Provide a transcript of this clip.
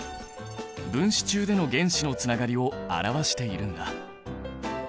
分子中での原子のつながりを表しているんだ。